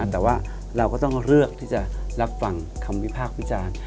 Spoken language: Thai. แต่ว่าเราก็ต้องเลือกที่จะรับฟังคำวิพากษ์วิจารณ์